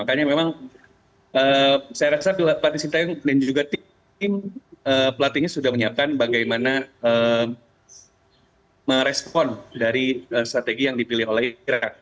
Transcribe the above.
makanya memang saya rasa pelatih sintayong dan juga tim pelatihnya sudah menyiapkan bagaimana merespon dari strategi yang dipilih oleh irak